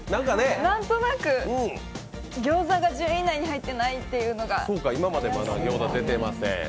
なんとなく餃子が１０位以内に入っていないというのが怪しい今までまだ餃子出てません。